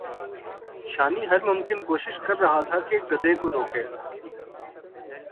شانی ہر ممکن کوشش کر رہا تھا کہ گدھے کو روکے